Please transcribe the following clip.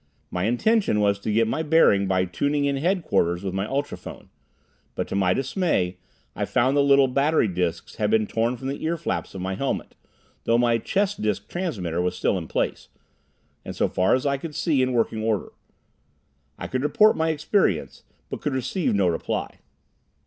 My intention was to get my bearing by tuning in headquarters with my ultrophone. But to my dismay I found the little battery disks had been torn from the earflaps of my helmet, though my chest disk transmitter was still in place, and so far as I could see, in working order. I could report my experience, but could receive no reply.